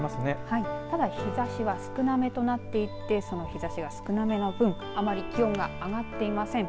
ただ、日ざしは少なめとなっていてその日ざしが少なめの分あまり気温が上がっていません。